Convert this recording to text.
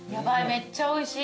めっちゃおいしい。